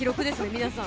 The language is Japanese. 皆さん。